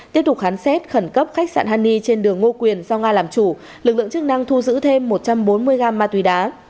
tiếp tục khám xét khẩn cấp khách sạn hani trên đường ngô quyền do nga làm chủ lực lượng chức năng thu giữ thêm một trăm bốn mươi g ma túy đá